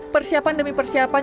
persiapan demi persiapan